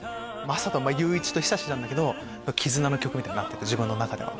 裕一と久志なんだけど絆の曲になってて自分の中では。